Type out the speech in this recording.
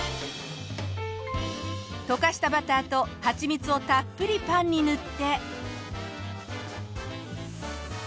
溶かしたバターとはちみつをたっぷりパンに塗って。